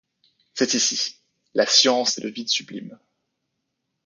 C’est ici. La science est le vide sublime.